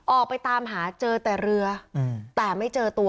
ออกไปตามหาเจอแต่เรือแต่ไม่เจอตัว